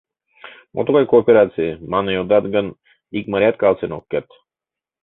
Мо тугай коопераций? манын йодат гын, ик марият каласен ок керт.